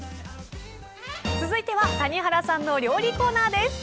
続いては谷原さんの料理コーナーです。